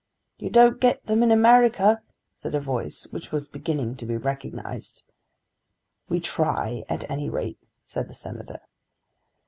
"You don't get them in America," said a voice which was beginning to be recognised. "We try at any rate," said the Senator.